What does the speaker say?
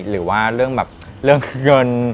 หรือว่าเรื่องแบบเรื่องเงิน